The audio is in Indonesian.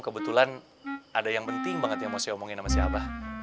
kebetulan ada yang penting banget yang mau saya omongin sama siapa